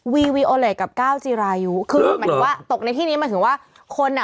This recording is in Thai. วีวีโอเลสกับก้าวจีรายุคือหมายถึงว่าตกในที่นี้หมายถึงว่าคนอ่ะ